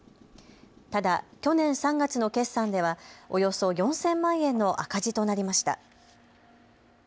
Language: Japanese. ただ去年３月の決算ではおよそ４０００万円の赤字となりました。